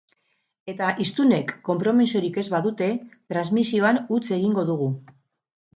Eta hiztunek konpromisorik ez badute, transmisioan huts egingo dugu.